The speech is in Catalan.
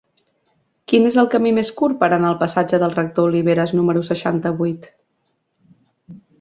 Quin és el camí més curt per anar al passatge del Rector Oliveras número seixanta-vuit?